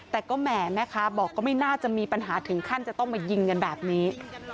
แต่ก็แหมแม่ค้าบอกก็ไม่น่าจะมีปัญหาถึงขั้นจะต้องมายิงกันแบบนี้